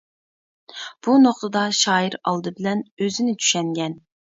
بۇ نۇقتىدا شائىر ئالدى بىلەن ئۆزىنى چۈشەنگەن.